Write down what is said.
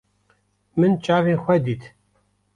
Min çavên xwe dît.